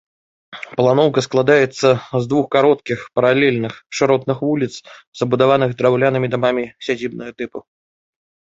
Планоўка складаецца з двух кароткіх, паралельных шыротных вуліц, забудаваных драўлянымі дамамі сядзібнага тыпу.